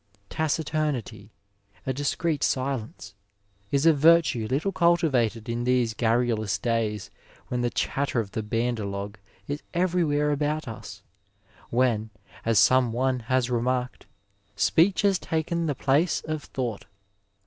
Taciturnity, a discreet silence, is a virtue little cultivated in these garru lous days when the chatter of the bander log is every where about us, when, as some one has remarked, speech has taken the place of thought.